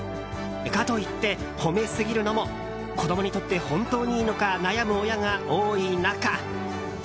かといって、褒めすぎるのも子どもにとって本当にいいのか悩む親が多い中